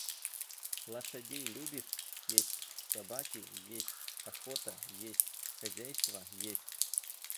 Лошадей любишь — есть, собаки — есть, охота — есть, хозяйство — есть.